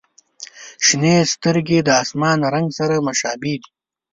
• شنې سترګې د آسمان رنګ سره مشابه دي.